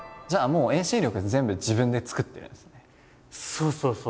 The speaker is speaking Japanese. そうそうそう。